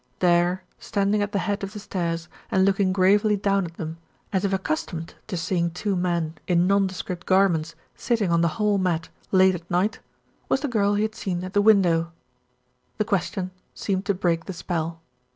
There, standing at the head of the stairs and looking gravely down at them, as if accustomed to seeing two men 30 THE RETURN OF ALFRED in nondescript garments sitting on the hall mat late at night, was the girl he had seen at the window. The question seemed to break the spell.